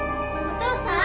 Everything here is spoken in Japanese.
お父さん？